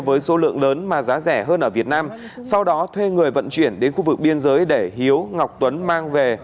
với số lượng lớn mà giá rẻ hơn ở việt nam sau đó thuê người vận chuyển đến khu vực biên giới để hiếu ngọc tuấn mang về